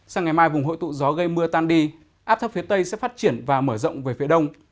sáng ngày mai vùng hội tụ gió gây mưa tan đi áp thấp phía tây sẽ phát triển và mở rộng về phía đông